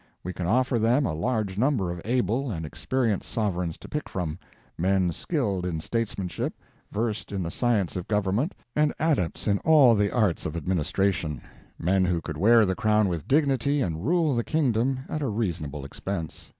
We can offer them a large number of able and experienced sovereigns to pick from men skilled in statesmanship, versed in the science of government, and adepts in all the arts of administration men who could wear the crown with dignity and rule the kingdom at a reasonable expense.